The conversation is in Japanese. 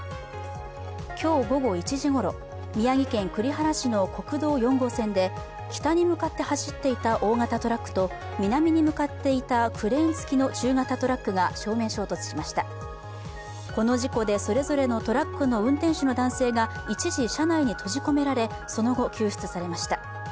今日午後１時ごろ、宮城県栗原市の国道４号線で北に向かって走っていた大型トラックと南に向かっていたクレーン付きの中型トラックが正面衝突しましたこの事故でそれぞれのトラックの運転手の男性が一時、車内に閉じ込められその後、救出されました。